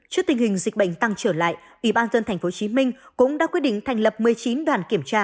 trước tình hình dịch bệnh tăng trở lại ủy ban dân tp hcm cũng đã quyết định thành lập một mươi chín đoàn kiểm tra